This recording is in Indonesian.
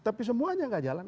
tapi semuanya gak jalan